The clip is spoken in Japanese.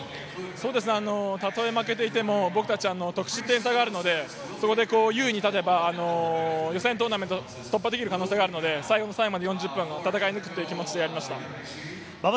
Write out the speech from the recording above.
たとえ負けていても、僕たちは得失点差があるので、そこで優位に立てば、予選トーナメントを突破できる可能性があるので、最後の最後まで４０分を戦い抜く気持ちでやりました。